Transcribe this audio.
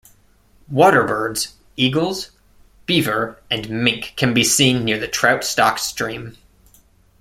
Water birds, eagles, beaver, and mink can be seen near the trout-stocked stream.